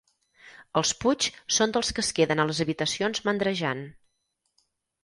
Els Puig són dels que es queden a les habitacions mandrejant.